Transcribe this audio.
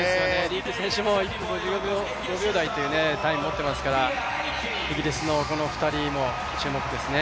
この選手もいいタイムを持っていますから、イギリスのこの２人も注目ですね。